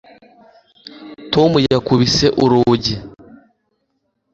tom yakubise urugi